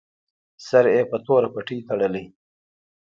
سر یې په توره پټۍ تړلی.